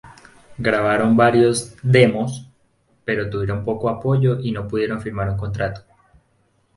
Grabaron varios "demos", pero tuvieron poco apoyo y no pudieron firmar un contrato.